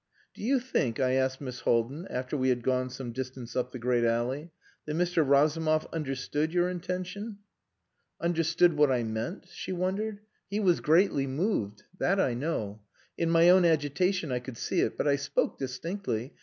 "Do you think," I asked Miss Haldin, after we had gone some distance up the great alley, "that Mr Razumov understood your intention?" "Understood what I meant?" she wondered. "He was greatly moved. That I know! In my own agitation I could see it. But I spoke distinctly.